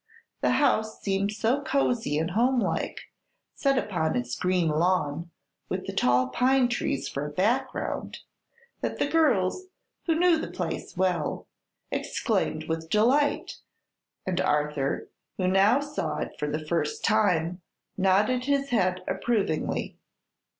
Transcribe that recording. The house seemed so cozy and homelike, set upon its green lawn with the tall pines for a background, that the girls, who knew the place well, exclaimed with delight, and Arthur, who now saw it for the first time, nodded his head approvingly.